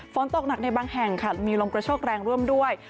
ฝนตกหนักในบางแห่งค่ะมีลมกระโชคแรงร่วมด้วย